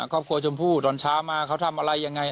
ครอบครัวชมพู่ตอนช้ามาเขาทำอะไรยังไง